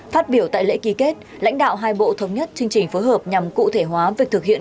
phát biểu tại lễ ký kết lãnh đạo hai bộ thống nhất chương trình phối hợp nhằm cụ thể hóa việc thực hiện